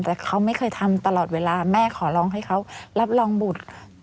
แต่เขาไม่เคยทำตลอดเวลาแม่ขอร้องให้เขารับรองบุตร